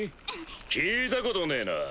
聞いたことねぇなぁ。